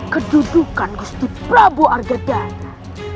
kedudukan gustu prabu argadana